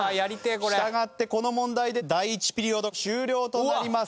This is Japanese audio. したがってこの問題で第１ピリオド終了となります。